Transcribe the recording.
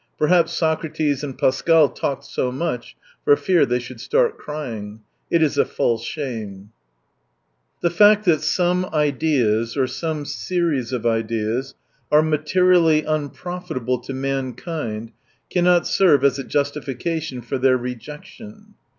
Perhaps Socrates and Pascal talked so much, for fear they should start crying. It is a false shame ! 6 The fact that some ideas, or some series of ideas, are materially unprofitable to mankind cannot serve as a justification for their rejection.